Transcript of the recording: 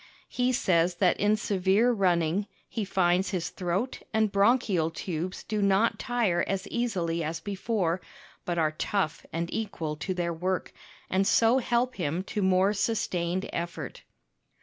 He says that in severe running he finds his throat and bronchial tubes do not tire as easily as before, but are tough and equal to their work, and so help him to more sustained effort.